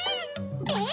えっ？